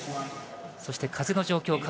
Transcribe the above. そして風の状況